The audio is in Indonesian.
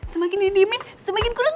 semakin didiamin semakin ngebosan mah